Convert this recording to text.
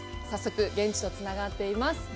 早速、現地とつながっています。